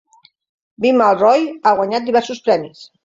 Bimal Roy ha guanyat diversos premis.